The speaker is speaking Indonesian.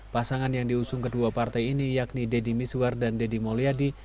pasangan yang diusung kedua partai ini yakni deddy miswar dan deddy mulyadi